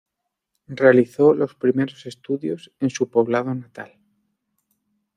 Realizó los primeros estudios en su poblado natal.